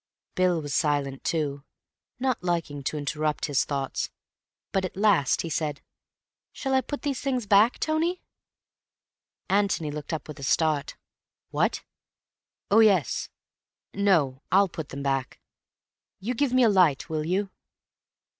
Bill was silent, too, not liking to interrupt his thoughts, but at last he said: "Shall I put these things back?" Antony looked up with a start. "What? Oh, yes. No, I'll put them back. You give me a light, will you?"